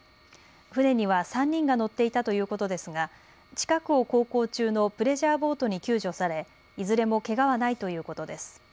船には３人が乗っていたということですが近くを航行中のプレジャーボートに救助されいずれもけがはないということです。